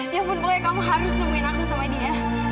ya ampun pokoknya kamu harus sembunyiin aku sama dia